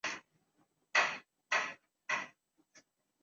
was لگانے کی technology ہمارے پاکستانی سیاستدا نوں کی ایکسپورٹ کردہ ہوگی اگر آ